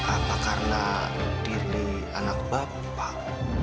apa karena diri anak bapak